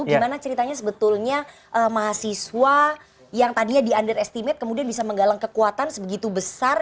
gimana ceritanya sebetulnya mahasiswa yang tadinya di under estimate kemudian bisa menggalang kekuatan sebegitu besar